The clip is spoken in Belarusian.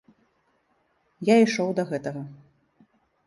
Я ішоў да гэтага.